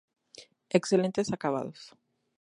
Excelentes acabados.